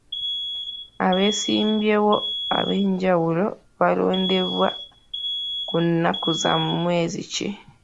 Abeesimbyewo ab'enjawulo balondebwa ku nnaku za mwezi ki?